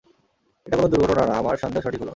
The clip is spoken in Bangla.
এটা কোন দুর্ঘটনা না, আমার সন্দেহ সঠিক হলো।